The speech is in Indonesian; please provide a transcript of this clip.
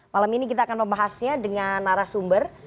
malam ini kita akan membahasnya dengan arah sumber